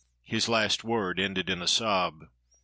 His last word ended in a sob.